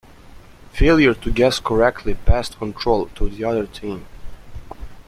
Failure to guess correctly passed control to the other team.